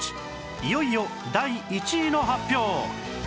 いよいよ第１位の発表